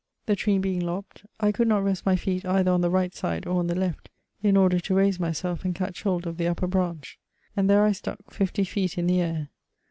The tree being lopped, I could not rest my feet either on the right side or on the left, in order to raise myself and catch hold of the upper branch : and there I stuck fifty feet in the air.